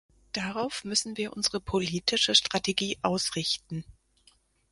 Darauf müssen wir unsere politische Strategie ausrichten.